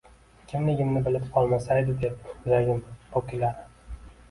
Kimligimni bilib qolmasaydi, deb yuragim po‘killadi